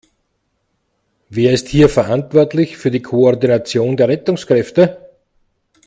Wer ist hier verantwortlich für die Koordination der Rettungskräfte?